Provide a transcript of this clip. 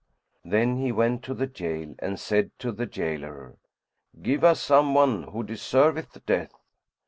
Then he went to the jail and said to the gaolor, "Give us some one who deserveth death."